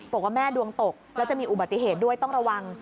บอกว่าแม่ดวงตกแล้วจะมีอุบัติเหตุด้วยต้องระวัง